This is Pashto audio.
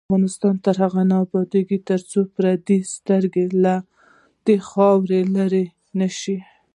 افغانستان تر هغو نه ابادیږي، ترڅو د پردیو سترګې له دې خاورې لرې نشي.